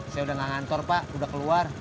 saya udah gak ngantor pak udah keluar